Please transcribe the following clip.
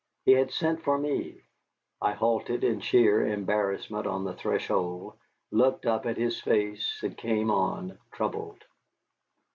He had sent for me. I halted in sheer embarrassment on the threshold, looked up at his face, and came on, troubled.